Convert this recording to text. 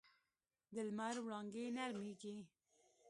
د لمر وړانګې نرمېږي